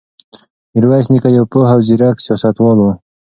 میرویس نیکه یو پوه او زیرک سیاستوال و.